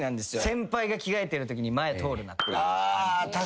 先輩が着替えてるときに前通るなっていう感じ。